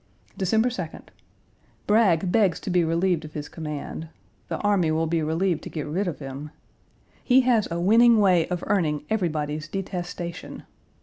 December 2d. Bragg begs to be relieved of his command. The army will be relieved to get rid of him. He has a winning way of earning everybody's detestation.